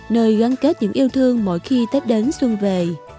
nơi gắn kết những yêu thương mỗi khi tết đến xuân về